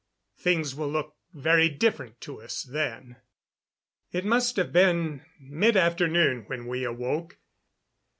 "Things will look very different to us then." It must have been mid afternoon when we awoke.